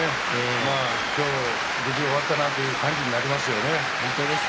今日も土俵が終わったなという感じがありますね。